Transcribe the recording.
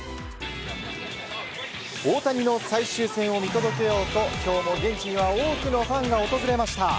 大谷の最終戦を見届けようと今日も現地には多くのファンが訪れました。